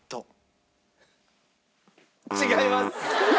違います！